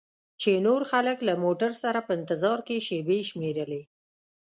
چې نور خلک له موټر سره په انتظار کې شیبې شمیرلې.